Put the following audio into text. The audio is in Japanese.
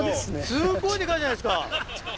すごいデカいじゃないですか！